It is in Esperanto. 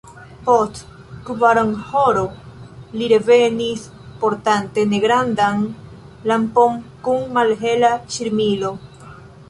Post kvaronhoro li revenis, portante negrandan lampon kun malhela ŝirmilo.